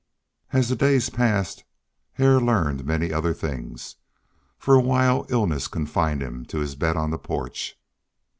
As the days passed Hare learned many other things. For a while illness confined him to his bed on the porch.